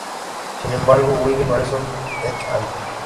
Sin embargo While Benson "et al.